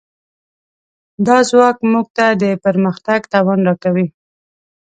دا ځواک موږ ته د پرمختګ توان راکوي.